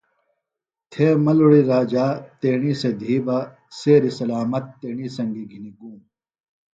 تھےۡ ملُڑی راجا تیݨی سےۡ دِھی بہ سیریۡ سلامت تیݨی سنگیۡ گِھنیۡ گُوم